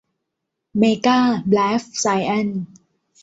เมก้า ไลฟ์ไซแอ็นซ์